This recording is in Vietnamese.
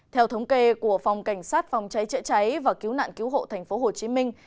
theo thống kê của phòng cảnh sát phòng cháy chữa cháy và cứu nạn cứu hộ thành phố hồ chí minh